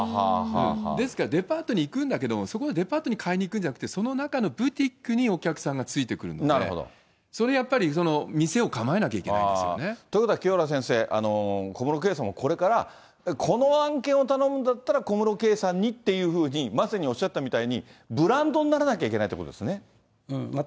ですから、デパートに行くんだけれども、そこでデパートに買いに行くんじゃなくて、その中のブティックにお客さんがついてくるので、それはやっぱり、店を構えなきゃいけないですよね。ということは、清原先生、小室圭さんもこれからこの案件を頼むんだったら小室圭さんにっていうふうに、まさにおっしゃったみたいに、ブランドにならなきゃ全くそのとおりですね。